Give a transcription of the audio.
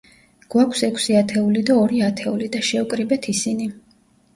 გვაქვს ექვსი ათეული და ორი ათეული და შევკრიბეთ ისინი.